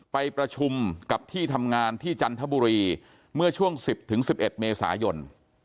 ไปประชุมกับที่ทำงานที่จันทบุรีเมื่อช่วง๑๐๑๑เมษายน